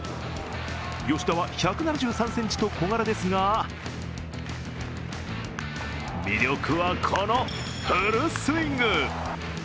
吉田は１７３ｃｍと小柄ですが、魅力は、このフルスイング。